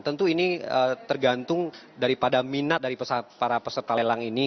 tentu ini tergantung daripada minat dari para peserta lelang ini